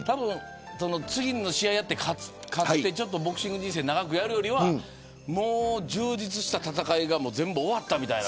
次の試合やって勝ってボクシング人生を長くやるより充実した戦いが全部終わったみたいな。